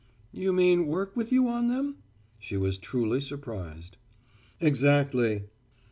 "You mean work with you on them?" She was truly surprised. "Exactly."